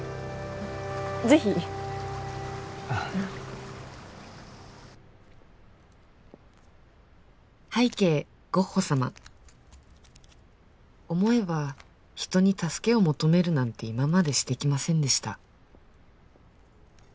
ぜひ拝啓ゴッホ様思えば人に助けを求めるなんて今までしてきませんでした